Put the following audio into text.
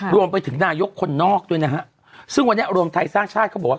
รวมไปถึงนายกคนนอกด้วยนะฮะซึ่งวันนี้รวมไทยสร้างชาติเขาบอกว่า